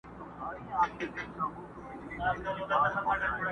پر لمن د پسرلي به څاڅکي څاڅکي صدف اوري.!